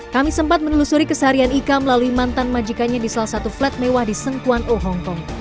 kami sempat menelusuri keseharian ika melalui mantan majikannya di salah satu flat mewah di sengkuan o hongkong